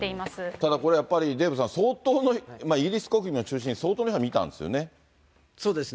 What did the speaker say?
ただこれやっぱり、デーブさん、イギリス国民を中心に相当皆さん見たんですよね。